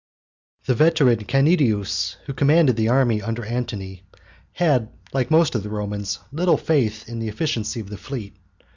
The veteran Canidius, who commanded the army under Antony, had like most of the Romans little faith in the efficiency of the fleet.